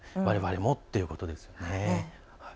われわれもということですね。